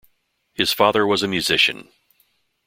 His father was a musician.